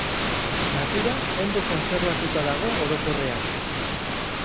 Natura ondo kontserbatuta dago orokorrean.